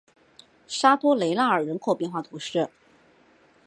沙托雷纳尔人口变化图示